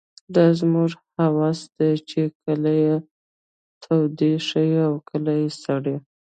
دا زموږ حواس دي چې کله يې تودې ښيي او کله سړې.